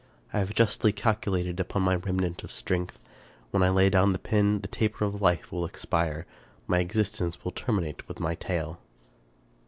I have justly calcu lated upon my remnant of strength. When I lay down the pen the taper of life will expire ; my existence will terminate with my tale.